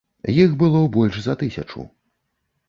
Іх было больш за тысячу.